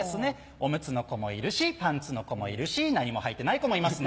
オムツの子もいるしパンツの子もいるし何もはいてない子もいますね。